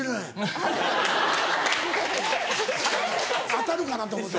当たるかなと思って。